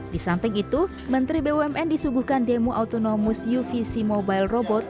disamping itu menteri bumn disuguhkan demo autonomous uvc mobile robot